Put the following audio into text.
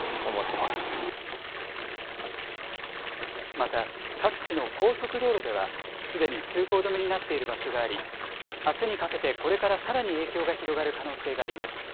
また、各地の高速道路では、すでに通行止めになっている場所があり、あすにかけてこれからさらに影響が広がる可能性があります。